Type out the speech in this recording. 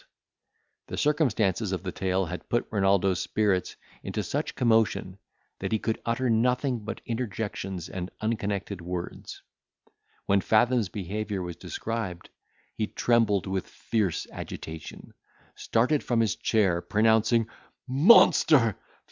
The circumstances of the tale had put Renaldo's spirits into such commotion, that he could utter nothing but interjections and unconnected words. When Fathom's behaviour was described, he trembled with fierce agitation, started from his chair, pronouncing, "Monster!